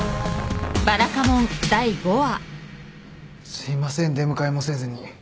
すいません出迎えもせずに。